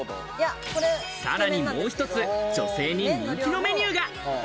さらにもう１つ、女性に人気のメニューが。